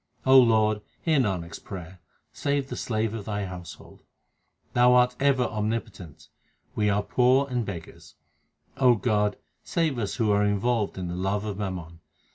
O Lord, hear Nanak s prayer, save the slave of Thy household. Thou art ever omnipotent ; we are poor and beggars. O God, save us who are involved in the love of mammon.